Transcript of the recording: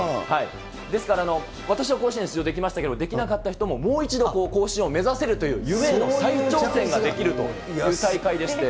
ですから、私は甲子園出場できましたけれども、出場できなかった人でももう一度甲子園を目指せるという、夢への再挑戦ができるという大会でして。